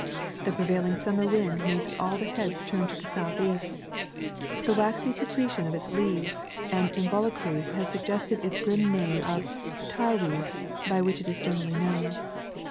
The prevailing summer wind makes all the heads turn to the southeast. The waxy secre tion of its leaves and involucres has suggested its grim name of "tarweed," by which it is generally known.